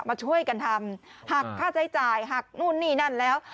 มาช่วยกันทำหักค่าใช้จ่ายหักนู่นนี่นั่นแล้ว